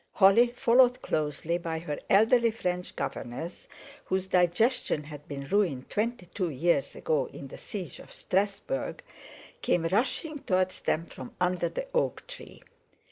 Holly, followed closely by her elderly French governess, whose digestion had been ruined twenty two years ago in the siege of Strasbourg, came rushing towards them from under the oak tree.